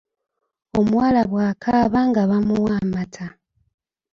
Omuwala bw’akaaba nga bamuwa amata.